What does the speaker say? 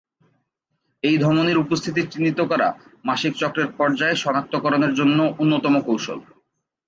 এই ধমনীর উপস্থিতি চিহ্নিত করা মাসিক চক্রের পর্যায় সনাক্তকরণের জন্য অন্যতম কৌশল।